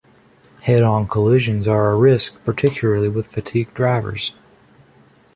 Head-on collisions are a risk, particularly with fatigued drivers.